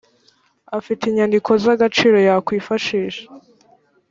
afite inyandiko z’agaciro yakwifashisha